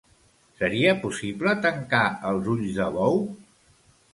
Seria possible tancar els ulls de bou?